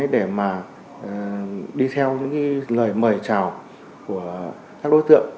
để mà đi theo những lời mời chào của các đối tượng